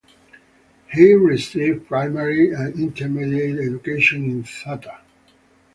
He received primary and intermediate education in Thatta.